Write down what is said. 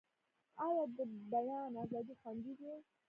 آیا د بیان ازادي خوندي ده؟